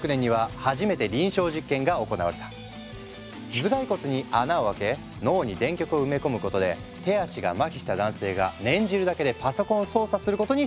頭蓋骨に穴を開け脳に電極を埋め込むことで手足がまひした男性が念じるだけでパソコンを操作することに成功。